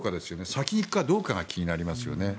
先に行くかどうかが気になりますね。